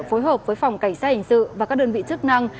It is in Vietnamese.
phối hợp với phòng cảnh sát hình sự và các đơn vị chức năng